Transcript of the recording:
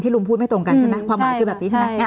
ที่ลุงพูดไม่ตรงกันใช่ไหม